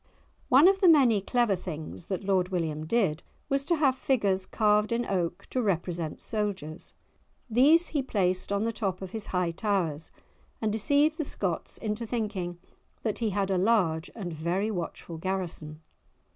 One of the many clever things that Lord William did was to have figures carved in oak to represent soldiers; these he placed on the top of his high towers, and deceived the Scots into thinking that he had a large and very watchful garrison!